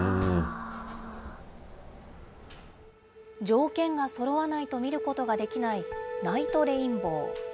条件がそろわないと見ることができないナイトレインボー。